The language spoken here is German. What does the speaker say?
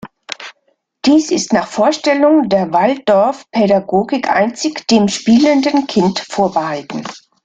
Dies ist nach Vorstellung der Waldorfpädagogik einzig dem spielenden Kind vorbehalten.